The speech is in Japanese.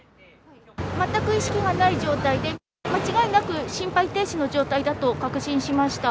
全く意識がない状態で、間違いなく心肺停止の状態だと確信しました。